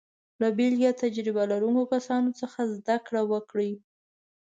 له بېلګې او تجربه لرونکو کسانو څخه زده کړه وکړئ.